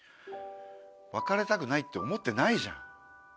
別れたくないって思ってないじゃん。